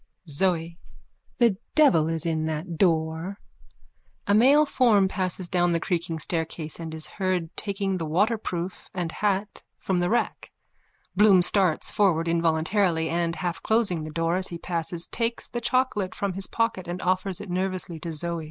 ZOE: The devil is in that door. _(A male form passes down the creaking staircase and is heard taking the waterproof and hat from the rack. Bloom starts forward involuntarily and, half closing the door as he passes, takes the chocolate from his pocket and offers it nervously to Zoe.)